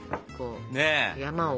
山を。